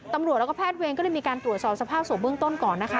ตำรวจแล้วก็แพทย์เวรก็เลยมีการตรวจสอบสภาพศพเบื้องต้นก่อนนะคะ